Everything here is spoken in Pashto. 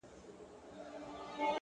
پوهه د غوره راتلونکي زینه ده،